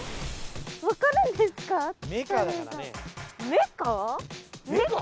分かるんですか？